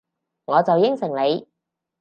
我就應承你